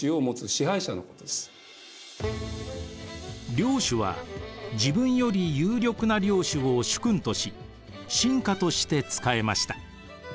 領主は自分より有力な領主を主君とし臣下として仕えました。